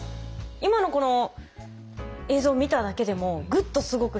今のこの映像を見ただけでもグッとすごくひかれました。